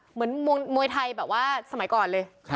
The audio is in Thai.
เหมือนมวยไทยแบบว่าสมัยก่อนเลย